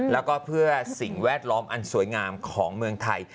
แล้วก็เพื่อสิ่งแวดล้อมอันสวยงามของเมืองไทย